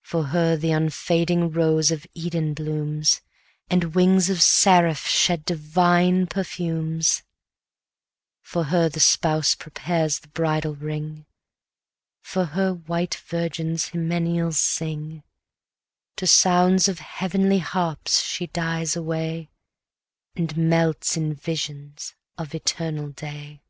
For her the unfading rose of Eden blooms, And wings of seraphs shed divine perfumes; For her the spouse prepares the bridal ring, For her white virgins hymeneals sing, 220 To sounds of heavenly harps she dies away, And melts in visions of eternal day.